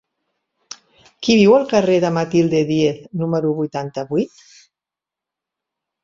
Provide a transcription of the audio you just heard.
Qui viu al carrer de Matilde Díez número vuitanta-vuit?